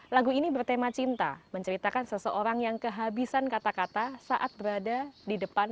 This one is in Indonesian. lagu ini bertema cinta menceritakan seseorang yang kehabisan kata kata saat berada di depan